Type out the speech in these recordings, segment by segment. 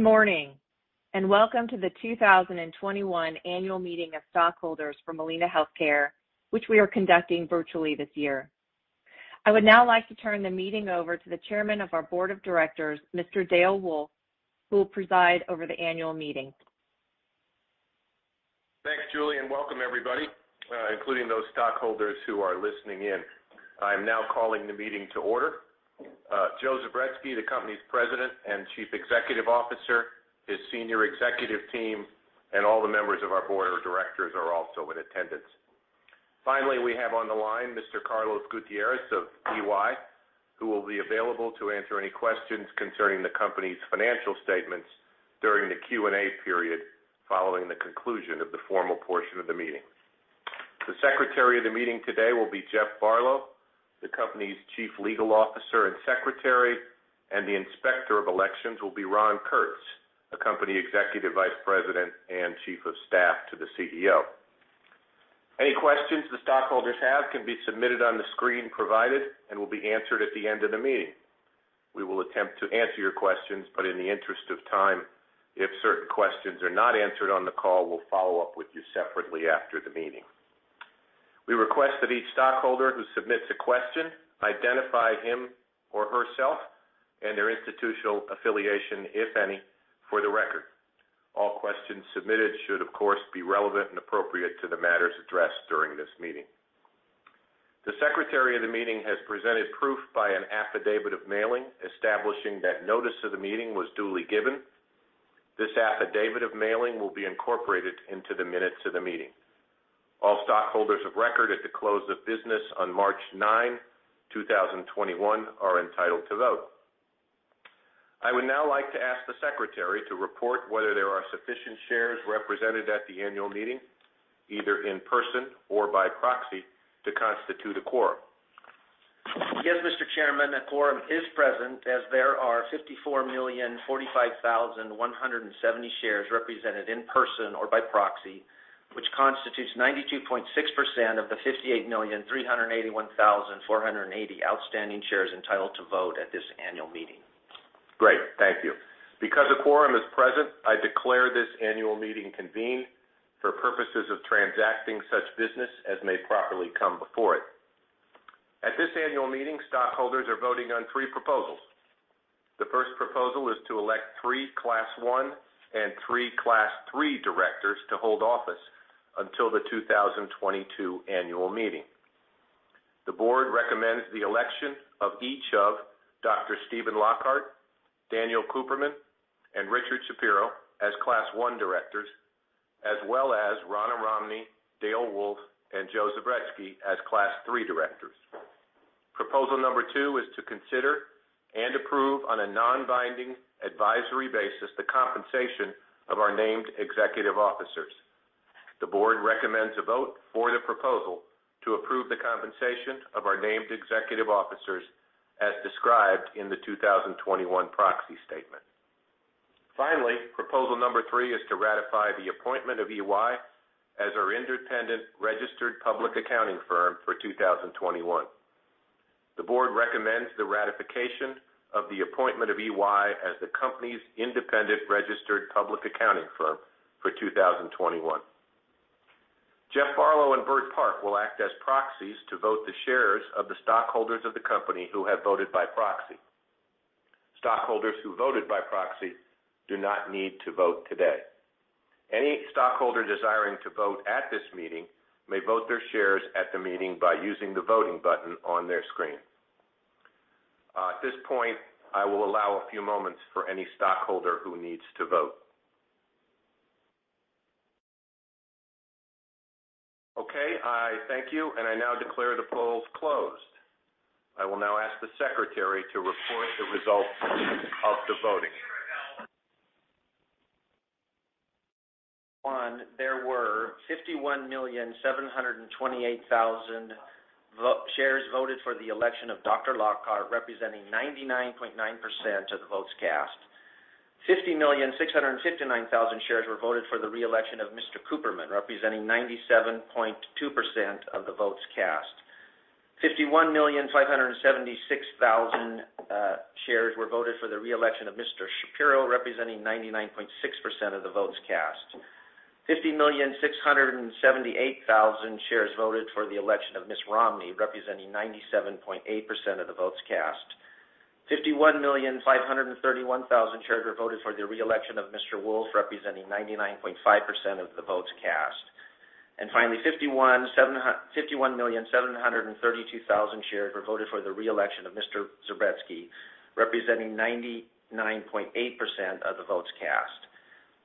Good morning. Welcome to the 2021 annual meeting of stockholders for Molina Healthcare, which we are conducting virtually this year. I would now like to turn the meeting over to the Chairman of our Board of Directors, Mr. Dale Wolf, who will preside over the annual meeting. Thanks, Julie, and welcome everybody, including those stockholders who are listening in. I'm now calling the meeting to order. Joe Zubretsky, the company's President and Chief Executive Officer, his senior executive team, and all the members of our board of directors are also in attendance. Finally, we have on the line Mr. Carlos Gutierrez of EY, who will be available to answer any questions concerning the company's financial statements during the Q&A period following the conclusion of the formal portion of the meeting. The secretary of the meeting today will be Jeff Barlow, the company's Chief Legal Officer and Secretary, and the inspector of elections will be Ron Kurtz, the company Executive Vice President and Chief of Staff to the CEO. Any questions the stockholders have can be submitted on the screen provided and will be answered at the end of the meeting. We will attempt to answer your questions, but in the interest of time, if certain questions are not answered on the call, we'll follow up with you separately after the meeting. We request that each stockholder who submits a question identify him or herself and their institutional affiliation, if any, for the record. All questions submitted should, of course, be relevant and appropriate to the matters addressed during this meeting. The secretary of the meeting has presented proof by an affidavit of mailing establishing that notice of the meeting was duly given. This affidavit of mailing will be incorporated into the minutes of the meeting. All stockholders of record at the close of business on March 9, 2021, are entitled to vote. I would now like to ask the secretary to report whether there are sufficient shares represented at the annual meeting, either in person or by proxy, to constitute a quorum. Yes, Mr. Chairman, a quorum is present as there are 54,045,170 shares represented in person or by proxy, which constitutes 92.6% of the 58,381,480 outstanding shares entitled to vote at this annual meeting. Great. Thank you. Because a quorum is present, I declare this annual meeting convened for purposes of transacting such business as may properly come before it. At this annual meeting, stockholders are voting on three proposals. The first proposal is to elect three Class I and three Class III directors to hold office until the 2022 annual meeting. The board recommends the election of each of Dr. Stephen H. Lockhart, Daniel Cooperman, and Richard Schapiro as Class I directors, as well as Ronna Romney, Dale Wolf, and Joseph Zubretsky as Class III directors. Proposal number two is to consider and approve on a non-binding advisory basis the compensation of our named executive officers. The board recommends a vote for the proposal to approve the compensation of our named executive officers as described in the 2021 proxy statement. Finally, proposal number three is to ratify the appointment of EY as our independent registered public accounting firm for 2021. The board recommends the ratification of the appointment of EY as the company's independent registered public accounting firm for 2021. Jeff Barlow and Burt Park will act as proxies to vote the shares of the stockholders of the company who have voted by proxy. Stockholders who voted by proxy do not need to vote today. Any stockholder desiring to vote at this meeting may vote their shares at the meeting by using the voting button on their screen. At this point, I will allow a few moments for any stockholder who needs to vote. Okay. I thank you, and I now declare the polls closed. I will now ask the secretary to report the results of the voting. There were 51,728,000 shares voted for the election of Dr. Lockhart, representing 99.9% of the votes cast. 50,659,000 shares were voted for the re-election of Mr. Cooperman, representing 97.2% of the votes cast. 51,576,000 shares were voted for the re-election of Mr. Schapiro, representing 99.6% of the votes cast. 50,678,000 shares voted for the election of Ms. Romney, representing 97.8% of the votes cast. 51,531,000 shares were voted for the re-election of Mr. Wolf, representing 99.5% of the votes cast. Finally, 51,732,000 shares were voted for the re-election of Mr. Zubretsky, representing 99.8% of the votes cast.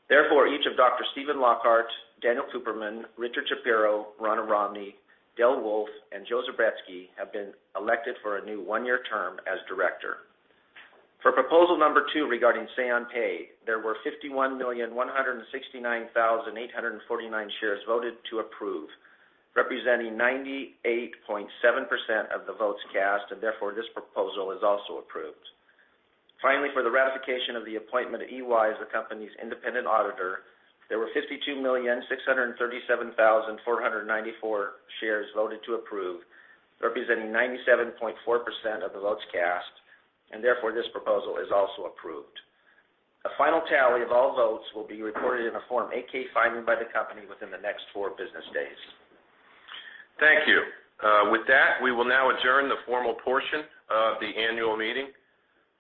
Therefore, each of Dr. Stephen H. Lockhart, Daniel Cooperman, Richard Schapiro, Ronna Romney, Dale Wolf, and Joseph Zubretsky have been elected for a new one-year term as director. For proposal number two regarding say on pay, there were 51,169,849 shares voted to approve, representing 98.7% of the votes cast. Therefore, this proposal is also approved. Finally, for the ratification of the appointment of EY as the company's independent auditor, there were 52,637,494 shares voted to approve, representing 97.4% of the votes cast. Therefore, this proposal is also approved. A final tally of all votes will be recorded in a Form 8-K filing by the company within the next four business days. Thank you. With that, we will now adjourn the formal portion of the annual meeting.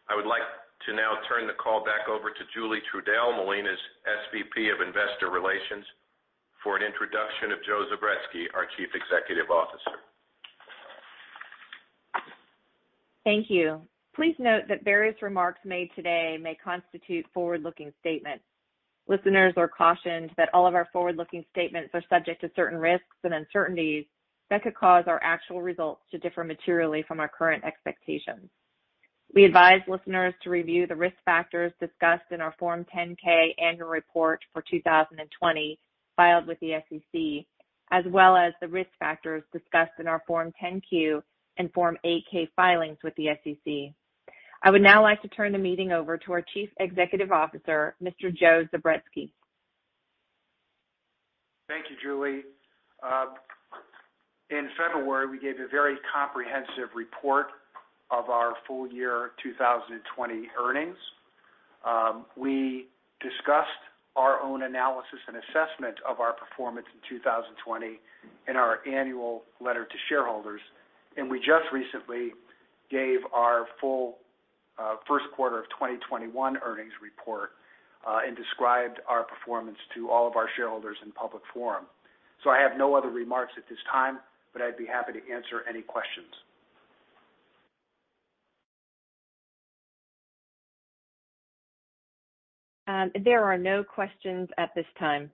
I would like to now turn the call back over to Julie Trudell, Molina's SVP of Investor Relations, for an introduction of Joe Zubretsky, our Chief Executive Officer. Thank you. Please note that various remarks made today may constitute forward-looking statements. Listeners are cautioned that all of our forward-looking statements are subject to certain risks and uncertainties that could cause our actual results to differ materially from our current expectations. We advise listeners to review the risk factors discussed in our Form 10-K annual report for 2020, filed with the SEC, as well as the risk factors discussed in our Form 10-Q and Form 8-K filings with the SEC. I would now like to turn the meeting over to our Chief Executive Officer, Mr. Joe Zubretsky. Thank you, Julie. In February, we gave a very comprehensive report of our full-year 2020 earnings. We discussed our own analysis and assessment of our performance in 2020 in our annual letter to shareholders, and we just recently gave our full first quarter of 2021 earnings report and described our performance to all of our shareholders in public forum. I have no other remarks at this time, but I'd be happy to answer any questions. There are no questions at this time.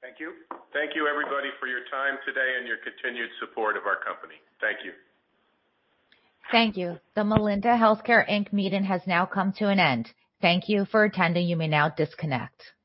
Thank you. Thank you everybody for your time today and your continued support of our company. Thank you. Thank you. The Molina Healthcare, Inc meeting has now come to an end. Thank you for attending. You may now disconnect.